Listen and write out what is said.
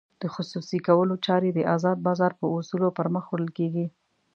د خصوصي کولو چارې د ازاد بازار په اصولو پرمخ وړل کېږي.